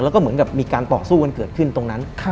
แล้วก็เหมือนกับมีการต่อสู้กันเกิดขึ้นตรงนั้น